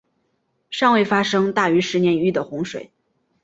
尚未发生大于十年一遇的洪水。